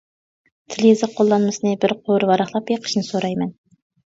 تىل-يېزىق قوللانمىسىنى بىر قۇر ۋاراقلاپ بېقىشنى سورايمەن.